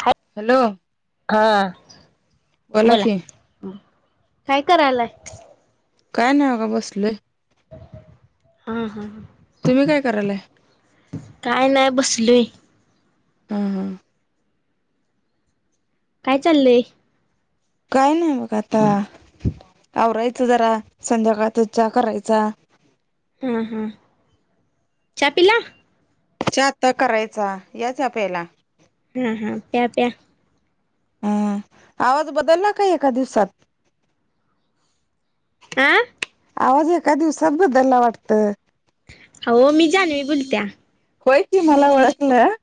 हाय. Hello. हा, बोला, काय करायलाय? काय नाही बघा बसलोय. हा, हा. तुम्ही काय करालाय? काय नाही बसलोय. हा, हा. काय चाललंय? काय नाही बघ आता, आवरायचं जरा संध्याकाळचा चहा करायचा. हां, हां, चहा पिला? चहा आता करायचा या चहा प्यायला. हा, हा प्या, प्या. हा, आवाज बदलला काय एका दिवसात? आं. आवाज एका दिवसात बद्दलला वाटतं. हो, मी जानवी बोलत्या. होय की, मला ओळखलं.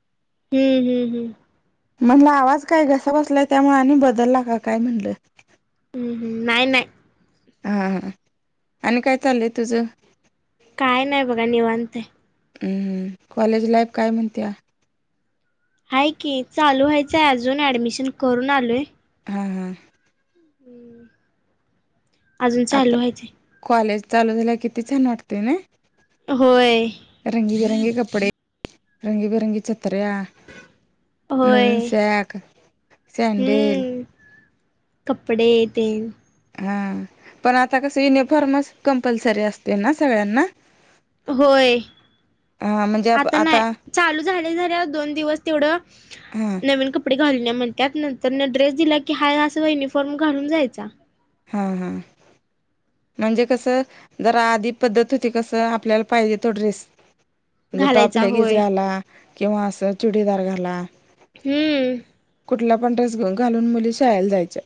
हम्म, हम्म, हम्म. म्हणलं आवाज काय घसा बसलाय त्यामुळे आणि बदलला का काय म्हणलं. हम्म, हम नाही नाही. हा, हा, आणि काय चाललंय तुझं? काय नाही बघा निवांत हाय. हम्म, हम्म कॉलेज लाईफ काय म्हणत्या? हाय की चालू व्हायचंय अजून ऍडमिशन करून आलोय. हा, हा. अजून आता चालू व्हायचंय. कॉलेज चालू झाल्या किती छान वाटतय नइ. होय. रंगी बिरंगे कपडे, रंगी बिरंगे छत्र्या. नवीन होय सॅक, सँनडेल. हम्म कपडे तेन. हा, पण आता कसं युनिफॉर्मच कंपल्सरी असते ना सगळ्यांना. होय, हा म्हणजे आप आता नाय. चालू झाल्या झाल्या दोन दिवस तेवढं हा. नवीन कपडे घालून या म्हणत्यात नंतर न ड्रेस दिला की हाय असा युनिफॉर्म घालून जायचा. हा हा. म्हणजे कसं जर आधी पद्धत होती कसं आपल्याला पाहिजे तो ड्रेस म्हणजे टॉप घालायचा लेगीच होय घाला किंवा असं चुडीदार घाला. हम्म! कुठला पण ड्रेस घ घालून मुली शाळेला जायच्या.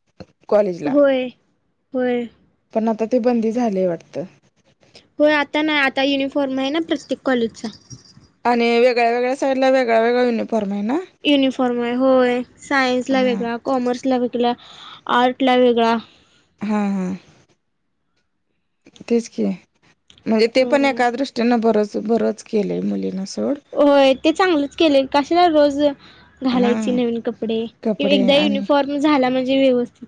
कॉलेज होय. होय. पण आता ते बंदी झालेय वाटतं. होय आता नाही आता युनिफॉर्म आहे ना प्रत्येक कॉलेजचा. आणि वेगळ्या वेगळ्या साइडला वेगळा वेगळा युनिफॉर्म आहे ना. युनिफॉर्म आहे होय सायन्स ला हा वेगळा, कॉमर्सला वेगळा आर्ट ला वेगळा. हा, हा, तेच की म्हणजे ते पण हम्म एकादृष्ट त्यांना बरंच बरंच केलंय मुलींना सोड. होय ते चांगलंच केले कशाला रोज हा घालायची नवीन कपडे कि कपडे एकदा आणि युनिफॉर्म झाला म्हणजे व्यवस्थित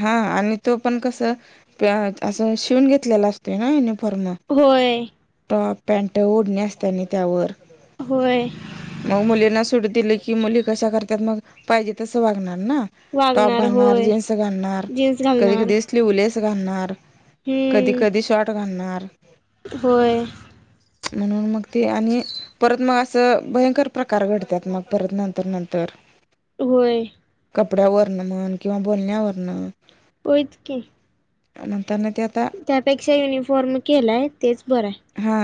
हा आणि तो पण कसं प असं शिवून घेतलेला असतोय ना युनिफॉर्म. होय. टॉप, पॅन्ट, ओढणी असत्या त्यावर. होय. मग मुलींना सुट दिलं की मुली कशा करतात मग पाहिजे तसं वागणार ना. टॉप वागणार घालणार होय. जीन्स घालणार जीन्स कधी घालणार कधी स्लीव्हलेस घालणार. कधी हम्म कधी शॉर्ट घालणार. हो म्हणून मग ते आणि परत मग असं भयंकर प्रकार घडतात मग परत नंतर नंतर होय कपड्यावरन म्हण किंवा बोलण्यावरन होतंच की नंतर ना ते आता त्यापेक्षा युनिफॉर्म केलाय तेच बरं आहे हा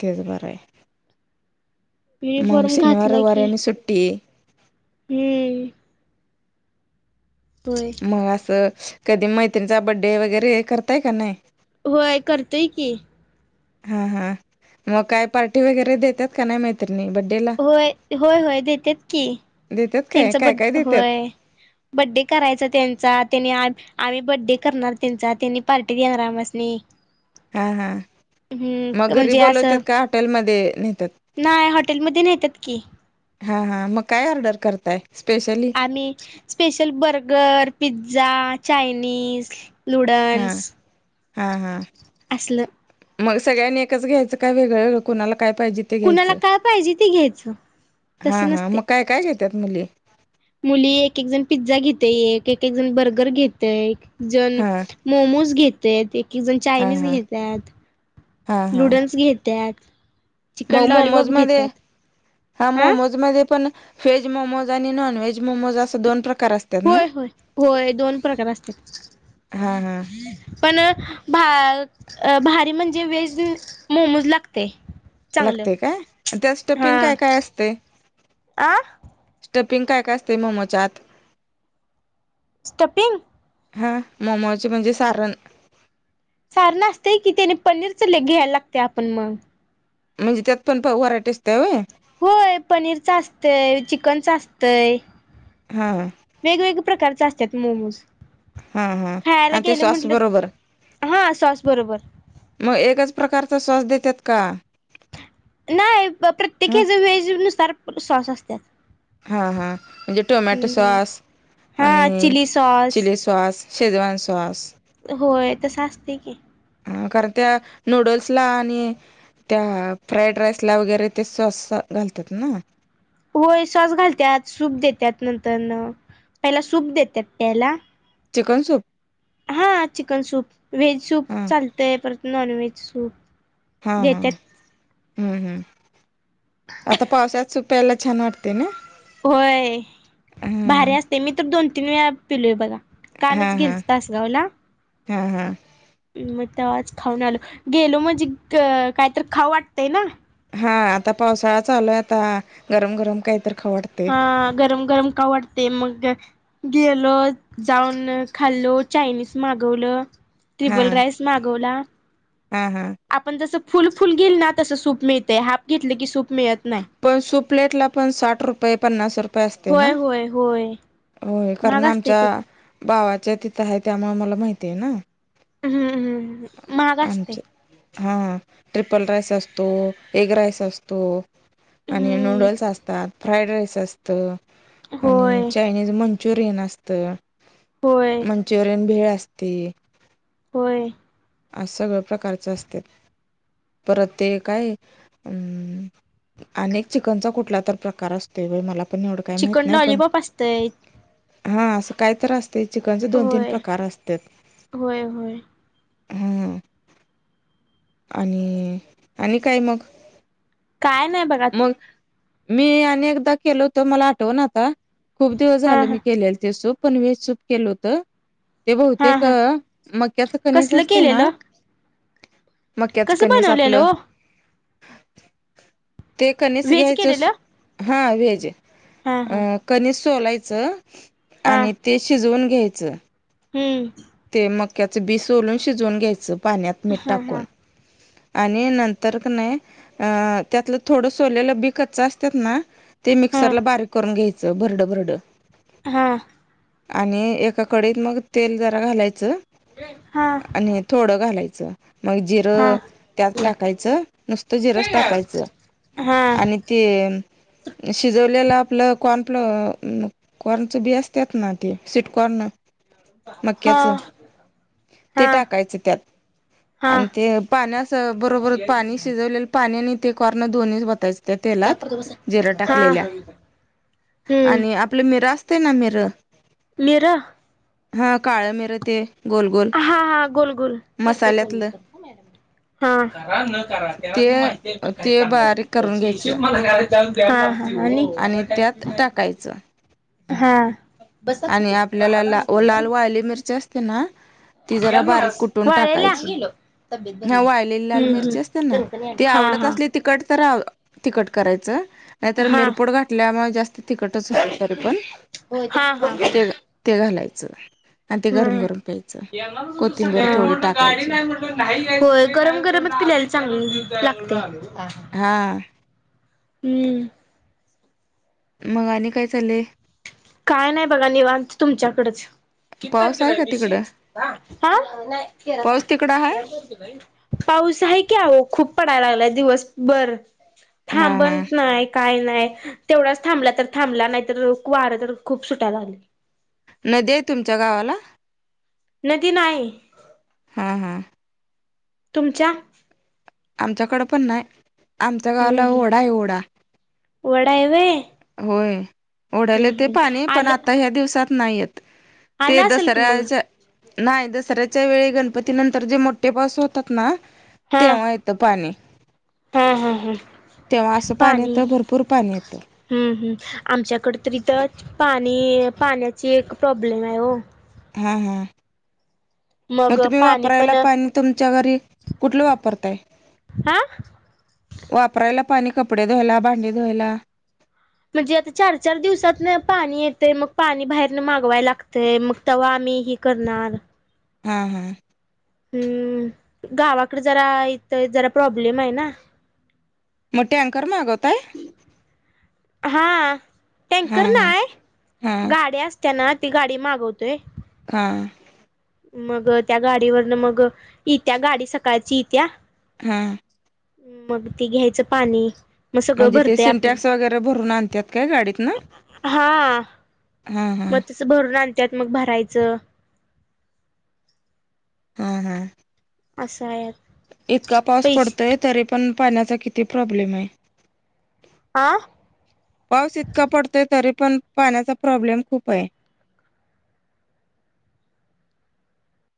तेच बरं आहे मग युनिफॉर्म शनिवार घातला की वरने सुट्टी हम्म होय मग असं कधी मैत्रिणीचा बड्डे वगैरे करताय का नाही होय करतोय की हा हा, मग काय पार्टी वगैरे देत्यात. होय, होय, होय देत्यात की. देतात काय त्यांच, काय काय बडे देतात होय. बड्डे करायचा त्यांचा त्यांनी आ आम्ही बड्डे करणार त्यांचा त्यांनी पार्टी देणार आमसांनी. हा हा हम्म मग घरी म्हणजे बोलवत असं का हॉटेलमध्ये नाही हॉटेलमध्ये नेतात की हा हा मग काय ऑर्डर करताय specially special burger pizza Chinese हां नुडल्स हां हां असलं मग सगळ्यांनी एकच घ्यायचं का वेगळं वेगळं कोणाला काय पाहिजे ते कुणाला घ्यायचं काय पाहिजे ते घ्यायचं तस हां हां नसते. मग काय काय घेतात मुली मुली एक एक जण पिझ्झा घेते एक एक जण बर्गर घेत एक जण हां मोमोज घेत आहेत एक एक जण हा चायनीज हा घेतात. हा हा नुडल्स घेतत मग चिकन मोमोज लॉलीपॉप मध्ये घेतत. हा मोमोज मध्ये पण व्हेज मोमोज आणि नॉन व्हेज मोमोज अस दोन प्रकार असतात. ना होय होय होय दोन प्रकार असत. हा हा पण भारी म्हणजे वेज मोमोज लागते. चांगलं लागते काय त्या स्टपिंग हा काय काय असते. आ स्टफिंग काय काय असते मोमोच्या आत स्टपिंग हा मोमोचे म्हणजे सारण सार ना असतेय की त्याने पनीर च ले घ्यायला लागते आपण मग म्हणजे त्यात पण प वराटे असते हवे. होय पनीरच असतंय चिकनच असतंय. हा. वेगवेगळ्या प्रकारचे असतात मोमोज हा हा खायला आणि ते गेलं सॉस बरोबर म्हटलं हा सॉस बरोबर मग एकच प्रकारचा सौस देतात का? नाही हा प्रत्येकीच वेहेज नुसार सॉस असतात. हा हा म्हणजे टोमॅटो हम्म सॉस हा आणि chilli sauce chilli sauce Schezwan sauce होय तसं असते की अ कारण त्या नूडल्स ला आणि त्या फ्राईड राईस ला वगैरे ते सॉस घालतात ना. होय सॉस घालतात सूप देतात नंतर न पहिला सूप देतात प्यायला चिकन सूप हा चिकन सूप व्हेज सूप हा चालतय परत नॉन व्हेज सूप हा हा देतात हम्म हम्म आता पावसात चक पप एला चछान वाटतेन. होय भारी असते मी तर दोन तीन वेळा पेलोय बघा. हा कालच हा गेलच तासगाव ला हा हा. मग ते आज खाऊन आलो गेलो म्हणजे कायत खाऊ वाटतंय ना. हा आता पावसाळा चालूय आता गरम गरम काहीत हा गरम गरम कावडते मग गेलो जाऊन खाल्लो चायनीज मागवलं. हा त्रिबल राईस मागवला. हा हा. आपण जसं फुल फुल गेईल ना तसं सूप मिळतय हाफ घेतलं की सूप मिळत नाही. पण सुप्लेट ला पण साठ रुपये पन्नास रुपये असते होय ना. होय होय. होय महाग कारण असते आमच्या ते पण भावाच्या तिथं आहे त्यामुळे मला माहिती आहे ना. हम्मम महाग असते. आमच्या हा ट्रिपल राईस असतो एग राईस असतो. आणि हम्म नूडल्स असतात फ्राईड राईस असत आणि होय आणि मंचुरियन असत. होय. जरण भेळ असते. हो. आ सगळं प्रकारच असत परत ते काय अम अ चिकनचा कुठला तर प्रकार असते व मला पण एवढं काय माहत चिकन नाही आपण लॉलीपॉप असतय हा असं काय तर असत चिकनचे दोन तीन होय प्रकार असत होय होय हा आणि आणि काय मग काय नाही बघ मग मी आणि एकदा केल होत मला आठवून आता खूप दिवस हा झालं हा मी केलेलं ते सूप पण वेज सूप केलं होतं ते हा बहते हा का मक्याच खनिज कसलं असते ना केलेलं मक्याचं कसं कणी बनवलेलं सापलं हो ते कनीिस व्हेज घ्यायचं सु केलेलं हां व्हेज हा हा कनीिज सोलायचं हा आणि ते शिजवून घ्यायचं हम्म ते मक्याचं बीस सोलून शिजवून घ्यायचं पाण्यात मीठ हा हा टाकून आणि नंतर का नाही अं त्यातलं थोडं सोलेलं बिकतच असतात ना ते हा मिक्सरला बारीक करून घ्यायचं भरड भरड हा आणि एका कडीत मग तेल जरा घालायचं हा आणि थोडं घालायचं मग हा जिरं त्यात या टाकायचं नुसतं जिरंच टाकायचं हा आणि ते शिजवलेलं आपलं कोणपलं कॉर्नचं बी असतात ना ते सिटकॉर्न हा मागक्याचं ते हा टाकायचे त्यात हा आणि ते पाण्यास बरोबरच पाणी शिजवलेलं पाणी आणि ते कॉनर दोन्च बयच त्या तेलात जिरा हा टाकलेल्या हम्म आणि आपलं मिरा असते ना मरं मरा हा काळ मेर ते गोल गोल हा हा गोल गोल करतो फोन मी मसाल्यातलं कर मॅड हा करा त्याला ते मी माहिती मी काही ते बारीक करणार करून त्या घ्यायचं मला जा्या आणि त्यात टाकायचं हा आणि आपल्याला ला लाल वाली मिरची असते ना ती जरा बारीक कुठून वाळेला टाकायची हा वाळलेली लाल हम्म हम्म मिरची असते ना कणकणी आली. ती हा आवडत हा असली तिकट तर तखट करायचं नाहीतर हा मिरपोड घाठल्यामुळे जास्त तखटच होत तरी पण हा हो हा ते ते घालायचं आणि ते गरम हम्म गरम प्यायचं कोथिंबीर थोडी टाकायचे हो गरम गरमच पिल्यायला चांगली लागते हा हम्म मगा आणि काय चाललेय काय नाही बघा निवांत तुमच्याकडेच किती पाऊस तारखेला आहे का दिशी तिकडं ह नाही तेरा पाऊस तारखेला तिकडं आहे तेरा तारखेला आहे पाऊस आहे कीह खूप पडायला लागलाय दिवस बर हा थांबन हा नाही काय नाही तेवढाच थांबला तर थांबला नाही तर कु वार तर खूप सुटायला लागली न दे तुमच्या गावाला नदी नाही हां हां तुमच्या आमच्याकडं पण नाही आमच्या हम्म गावाला हम्म ओढा आहे ओढा वडा आहेवे होय ओढायले ते पाणी पण आलं आता ह्या दिवसात नाहीयेत ते आलं असेल की मग दसऱ्याच्या नाही दसऱ्याच्या वेळी गणपती नंतर जे मोठे पाऊस होतात ना हा तेव्हा येतं पाणी हा हम हम तेव्हा असं पाणी येतं भरपूर पाणी येतं ह ह आमच्याकडे तरी इथ पाणी पाण्याची एक प्रॉब्लेम आहे हो हा हा मग तुम्ही पाणी वापरायला पण पाणी तुमच्या घरी कुठलं वापरताय हा वापरायला पाणी कपडे धुयला भांडी धुयला म्हणजे आता चार चार दिवसात पाणी येते मग पाणी बाहेरन मागवाय लागतंय मग तेव्हा आम्ही ह करणारल हा हा हम्म गावाकडे जरा इथ जरा प्रॉब्लेम आहे ना मो टे अँकरर मग आगत आहे हा हा टेकर हा नाहीय हा गाड अस त्यांना ती गाडी मागवतोय काा मग त्या गाडीवरन मग येत्या गाडी सकाळची येत्या हा मग ती घ्यायचं पाणी मग सगळं म्हणजे ते भरतय आपलं सिंटॅक्स वगैरे भरून आणत्यात काय गाडीतन हा हम् मग हम् भरून आणत्यात मग भरायचं हम हम असं आहे इतका पाऊस पैसे पडतोय तरी पण पाण्याचा किती प्रॉब्लेम आहे आं पाऊस इतका पडतोय तरी पण पाण्याचा प्रॉब्लेम खूप आहे